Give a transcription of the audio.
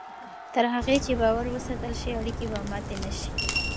تر هغه چې باور وساتل شي، اړیکې به ماتې نه شي.